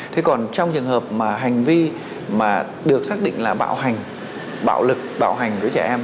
thế còn trong trường hợp mà hành vi mà được xác định là bạo hành bạo lực bạo hành với trẻ em